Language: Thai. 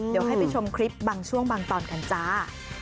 เดี๋ยวให้ไปชมคลิปบางช่วงบางตอนกันจ้า